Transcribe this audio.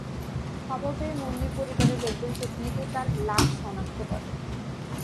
খবর পেয়ে মুন্নির পরিবারের লোকজন সেখানে গিয়ে তাঁর লাশ শনাক্ত করেন।